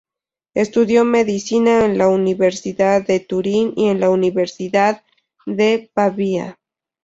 Estudió medicina en la Universidad de Turín y en la Universidad de Pavía.